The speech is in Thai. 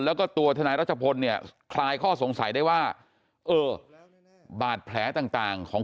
แล้วก็ตัวทนายรัชพลเนี่ยคลายข้อสงสัยได้ว่าเออบาดแผลต่างของ